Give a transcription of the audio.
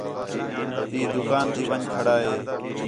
تی دُکان تی ون٘ڄ کھڑا ہِے